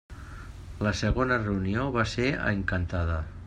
La segona reunió va ser a Encantada.